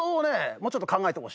もうちょっと考えてほしいな。